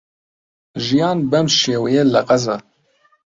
ژیان بەم شێوەیەیە لە غەزە.